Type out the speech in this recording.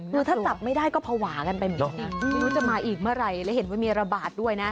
คือถ้าจับไม่ได้ก็ภาวะกันไปเหมือนกันนะไม่รู้จะมาอีกเมื่อไหร่แล้วเห็นว่ามีระบาดด้วยนะ